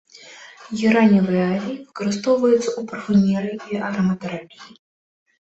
Гераніевы алей выкарыстоўваецца ў парфумерыі і ароматэрапіі.